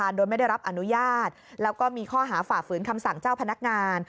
โดยไม่ได้รับอนุญาตแล้วก็มีข้อหาฝ่าฝืนคำสั่งเจ้าพนักงาน